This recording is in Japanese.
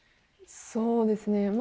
そうですね。